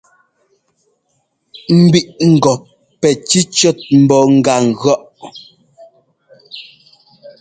Mbíʼ ŋgɔ pɛ cícʉɔ́t mbɔ́ gá ŋgʉ̈ɔʼ.